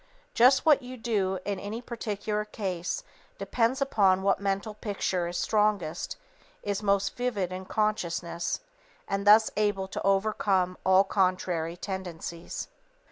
Just what you do in any particular case depends upon what mental picture is strongest, is most vivid in consciousness, and thus able to overcome all contrary tendencies.